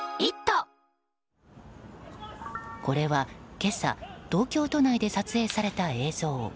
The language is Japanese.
これは今朝東京都内で撮影された映像。